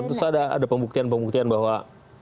tentu saja ada pembuktian pembuktian bahwa